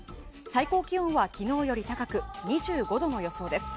最高気温は昨日より高く２５度の予想です。